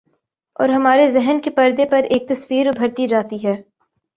اورہمارے ذہن کے پردے پر ایک تصویر ابھرتی جاتی ہے۔